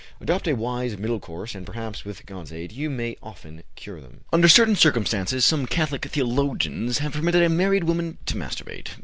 Adopt a wise middle course, and, perhaps, with God's aid, you may often cure them." Under certain circumstances some Catholic theologians have permitted a married woman to masturbate.